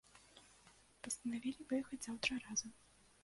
Пастанавілі выехаць заўтра разам.